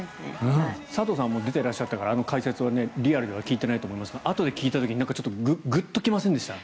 佐藤さんは出ていらっしゃったからあの解説はリアルで聞いていないと思いますがあとで聞いた時にグッときませんでしたか？